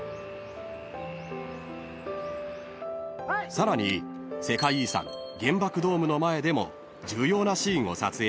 ［さらに世界遺産原爆ドームの前でも重要なシーンを撮影しました］